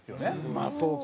まあそうか。